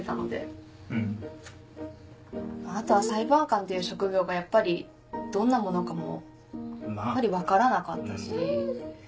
あとは裁判官っていう職業がやっぱりどんなものかも分からなかったし。